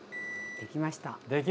できました！